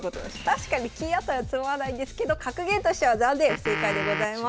確かに金あったら詰まないんですけど格言としては残念不正解でございます。